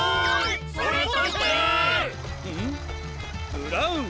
ブラウン！